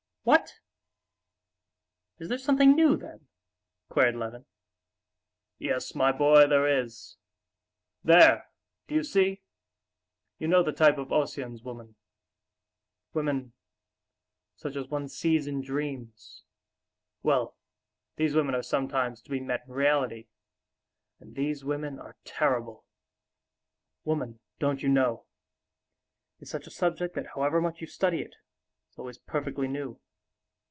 "What! is there something new, then?" queried Levin. "Yes, my boy, there is! There, do you see, you know the type of Ossian's women.... Women, such as one sees in dreams.... Well, these women are sometimes to be met in reality ... and these women are terrible. Woman, don't you know, is such a subject that however much you study it, it's always perfectly new."